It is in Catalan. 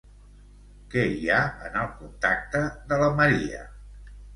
Què hi ha en el contacte de la Maria?